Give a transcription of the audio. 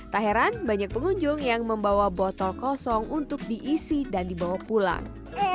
tak heran banyak pengunjung yang membawa botol kosong untuk diisi dan dibawa pulang